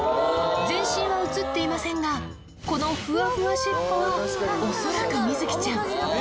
全身は写っていませんが、このふわふわ尻尾は、恐らくみづきちゃん。